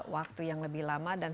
waktu yang lebih lama dan